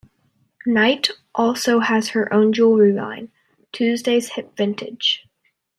Knight also has her own jewelry line "Tuesday's Hip Vintage".